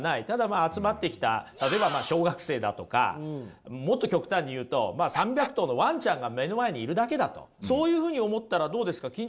ただまあ集まってきた例えば小学生だとかもっと極端に言うと３００頭のワンちゃんが目の前にいるだけだとそういうふうに思ったらどうですか？